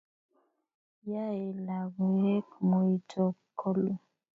Yaei logoek muito koluu